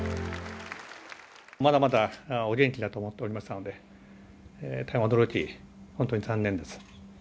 まだまだお元気だと思っておりましたので、大変驚き、本当に残念です。